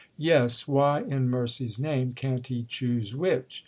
"Yes, why in mercy's name can't he choose which?